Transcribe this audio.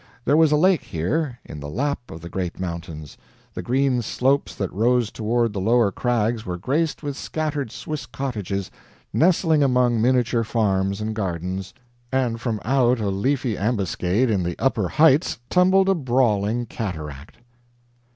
There was a lake here, in the lap of the great mountains, the green slopes that rose toward the lower crags were graced with scattered Swiss cottages nestling among miniature farms and gardens, and from out a leafy ambuscade in the upper heights tumbled a brawling cataract.